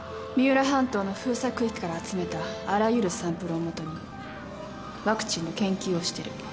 三浦半島の封鎖区域から集めたあらゆるサンプルを基にワクチンの研究をしてる。